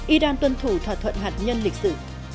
iran tuân thủ thỏa thuận hạt nhân lịch sử